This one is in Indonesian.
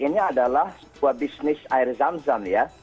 ini adalah sebuah bisnis air zamzam ya